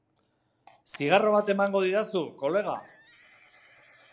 Zigarro bat emango didazu, kolega?